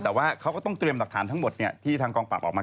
แต่ว่าเขาก็ต้องเตรียมหลักฐานทั้งหมดที่ทางกองปราบออกมา